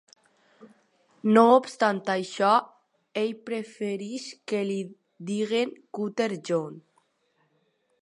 No obstant això, ell prefereix que li diguin Cutter John.